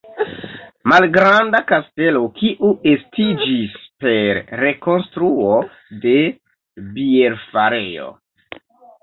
Malgranda kastelo, kiu estiĝis per rekonstruo de bierfarejo.